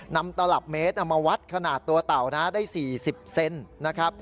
ตลับเมตรมาวัดขนาดตัวเต่านะได้๔๐เซนนะครับ